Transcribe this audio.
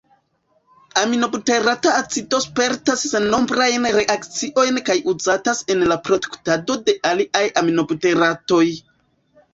Aminobuterata acido spertas sennombrajn reakciojn kaj uzatas en la produktado de aliaj aminobuteratoj.